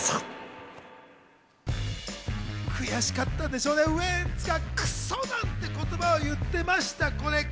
悔しかったんでしょうね、ウエンツが「クッソ！」なんて言葉を言ってました。